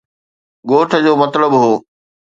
ڳوٺ جو مطلب هو